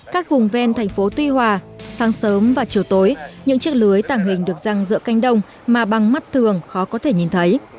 các vùng ven thành phố tuy hòa sáng sớm và chiều tối những chiếc lưới tàng hình được răng dựa canh đông mà băng mắt thường khó có thể nhìn thấy